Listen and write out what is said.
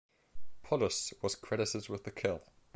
"Polluce" was credited with the kill.